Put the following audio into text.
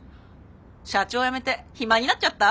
社長辞めて暇になっちゃった？